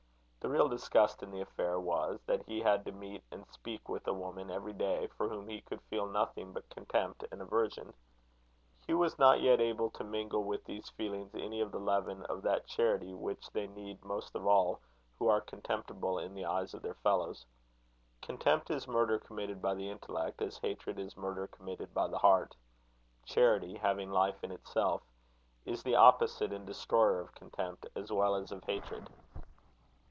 The real disgust in the affair was, that he had to meet and speak with a woman every day, for whom he could feel nothing but contempt and aversion. Hugh was not yet able to mingle with these feelings any of the leaven of that charity which they need most of all who are contemptible in the eye of their fellows. Contempt is murder committed by the intellect, as hatred is murder committed by the heart. Charity having life in itself, is the opposite and destroyer of contempt as well as of hatred.